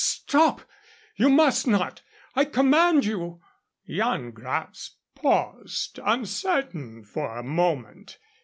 "Stop! You must not! I command you!" Yan Gratz paused, uncertain for a moment.